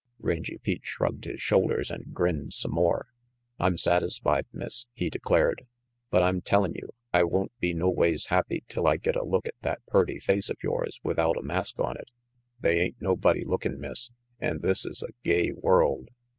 Rangy Pete shrugged his shoulders and grinned some more. "I'm satisfied, Miss," he declared, "but I'm tellin' you I won't be noways happy till I get a look at that purty face of yours without a mask on it. They ain't nobody lookin', Miss, and this's a gay world.